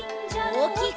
おおきく！